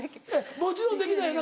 もちろんできないよな